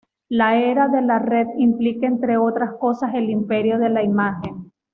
La era de la Red implica entre otras cosas el imperio de la imagen